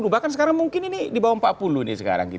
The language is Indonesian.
bahkan sekarang mungkin ini di bawah empat puluh nih sekarang